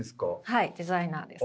はいデザイナーです。